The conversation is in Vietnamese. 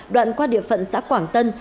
đoạn qua địa phận xã quảng tân